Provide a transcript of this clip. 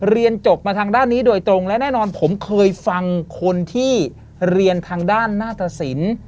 เรียนจบมาทางด้านนี้โดยตรงและแน่นอนผมเคยฟังคนที่เรียนทางด้านหน้าตสิน